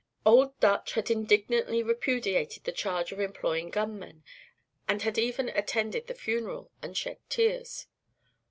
Old Dutch had indignantly repudiated the charge of employing gunmen, and had even attended the funeral and shed tears.